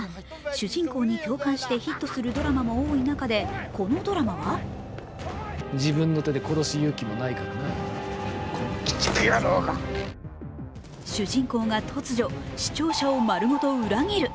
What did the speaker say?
主人公に共感してヒットするドラマも多い中でこのドラマは主人公が突如、視聴者をまるごと裏切る。